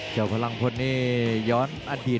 พลังพลนี่ย้อนอดีต